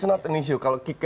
ini bukan masalah